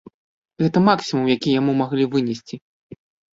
Гэта максімум, які яму маглі вынесці.